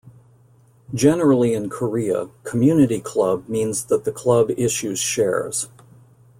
Generally in Korea, 'community-club' means that the club issues shares.